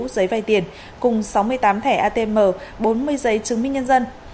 sáu giấy vay tiền cùng sáu mươi tám thẻ atm bốn mươi giấy chứng minh nhân dân